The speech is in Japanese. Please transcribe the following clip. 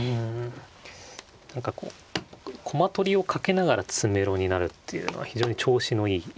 何かこう駒取りをかけながら詰めろになるっていうのは非常に調子のいい。